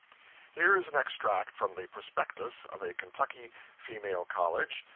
Here is an extract from the prospectus of a Kentucky 'Female College.'